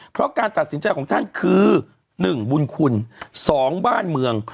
เพราะการตัดสินใจของท่านคือ๑บุญคุณ๒บ้านเมือง